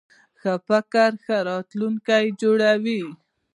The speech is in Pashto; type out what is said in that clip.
ښه فکر ښه راتلونکی جوړوي.